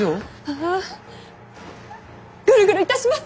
あぁぐるぐるいたします。